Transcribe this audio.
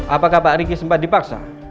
apakah pak riki sempat dipaksa